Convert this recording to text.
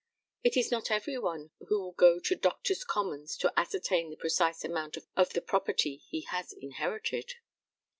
It is not every one who will go to Doctors' Commons to ascertain the precise amount of the property he has inherited.